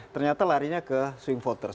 ternyata larinya ke swing voters